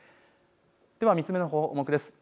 ３つ目の項目です。